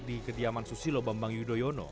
di kediaman susilo bambang yudhoyono